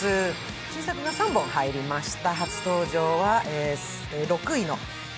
新作が３本入りました。